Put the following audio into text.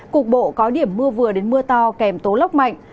cục bộ có điểm mưa vừa đến mưa to kèm tố lốc mạnh